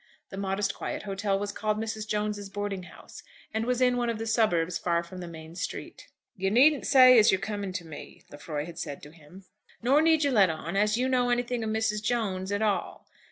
The modest, quiet hotel was called Mrs. Jones's boarding house, and was in one of the suburbs far from the main street. "You needn't say as you're coming to me," Lefroy had said to him; "nor need you let on as you know anything of Mrs. Jones at all.